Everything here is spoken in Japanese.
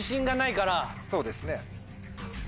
そうですね。